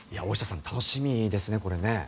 大下さん楽しみですね、これね。